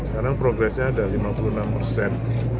sekarang progresnya ada lima puluh enam persen